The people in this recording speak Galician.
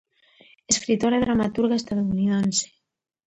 Escritora e dramaturga estadounidense.